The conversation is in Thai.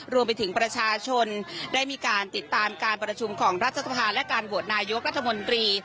รวมไปถึงประชาชนได้มีการติดตามการประชุมของรัฐสภาและการโหวตนายกรัฐมนตรี